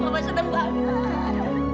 mama sedang banget